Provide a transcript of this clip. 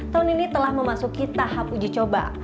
tahun ini telah memasuki tahap uji coba